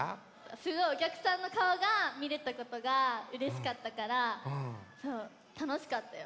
すごいおきゃくさんのかおがみれたことがうれしかったからたのしかったよ。